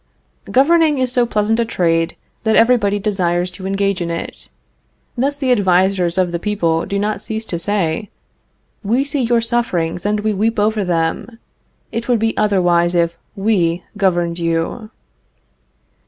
Governing is so pleasant a trade that everybody desires to engage in it. Thus the advisers of the people do not cease to say: "We see your sufferings, and we weep over them. It would be otherwise if we governed you."